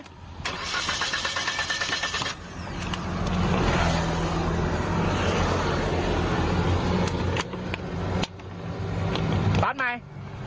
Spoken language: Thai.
สตาร์ทใหม่